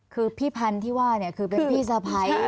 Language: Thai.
คือพี่พันธุ์ที่ว่าคือเป็นพี่เสภาย